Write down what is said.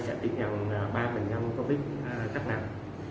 sẽ tiêm nhận ba năm covid cấp nặng